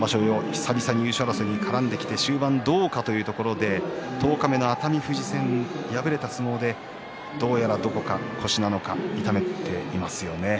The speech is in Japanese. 久々に優勝争いに絡んできて終盤どうかというところで十日目の熱海富士戦敗れた相撲でどうやらどこか腰なのか、痛めていますよね。